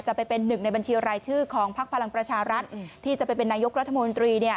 ไปเป็นหนึ่งในบัญชีรายชื่อของพักพลังประชารัฐที่จะไปเป็นนายกรัฐมนตรีเนี่ย